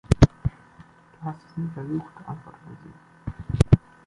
„Du hast es nie versucht“, antwortete sie.